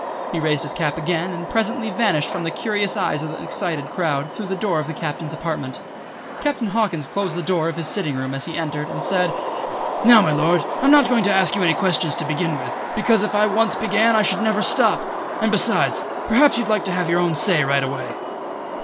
He raised his cap again and presently vanished from the curious eyes of the excited crowd, through the door of the Captain's apartment. Captain Hawkins closed the door of his sitting room as he entered, and said: "Now, my Lord, I'm not going to ask you any questions to begin with, because if I once began I should never stop; and besides, perhaps you'd like to have your own say right away."